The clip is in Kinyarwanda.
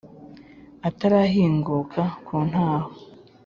Atarahinguka ku ntaho.